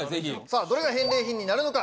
どれが返礼品になるのか？